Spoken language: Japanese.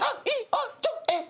あっちょっえっ？